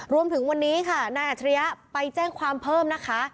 รวมถึงวันนี้ค่ะนายอัจฉริยะไปแจ้งความเพิ่มนะคะ